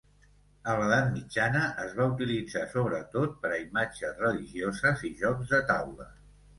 A l'edat mitjana, es va utilitzar sobretot per a imatges religioses i jocs de taula.